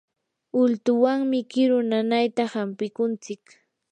ultuwanmi kiru nanayta hampikuntsik.